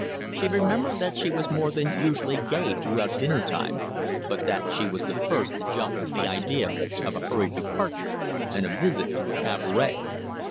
She remembered that she was more than usually gay throughout dinner time, but that she was the first to jump at the idea of a hurried departure and a visit to a cabaret.